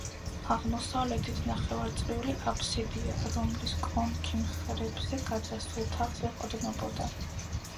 აღმოსავლეთით ნახევარწრიული აფსიდია, რომლის კონქი მხრებზე გადასულ თაღს ეყრდნობოდა.